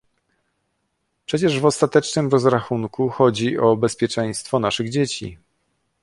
Przecież w ostatecznym rozrachunku chodzi o bezpieczeństwo naszych dzieci